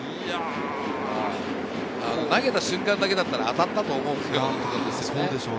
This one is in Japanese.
投げた瞬間だけだったら当たったと思うんですよ。